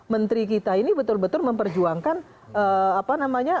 menteri kita ini betul betul memperjuangkan